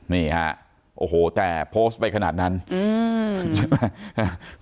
นี่ฮะโอ้โหแต่โพสต์ไปขนาดนั้นใช่ไหม